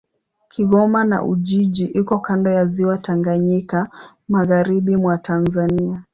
Kigoma na Ujiji iko kando ya Ziwa Tanganyika, magharibi mwa Tanzania.